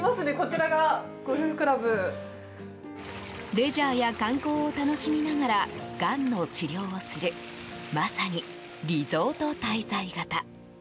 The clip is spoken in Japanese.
レジャーや観光を楽しみながらがんの治療をするまさにリゾート滞在型。